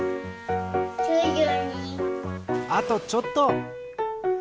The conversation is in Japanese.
あとちょっと！